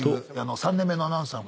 ３年目のアナウンサーの方。